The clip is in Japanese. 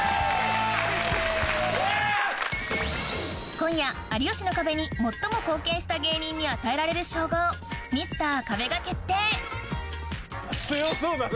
今夜『有吉の壁』に最も貢献した芸人に与えられる称号ミスター壁が決定強そうだな。